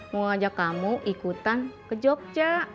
mau ngajak kamu ikutan ke jogja